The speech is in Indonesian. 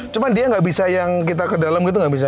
cuma dia nggak bisa yang kita ke dalam gitu nggak bisa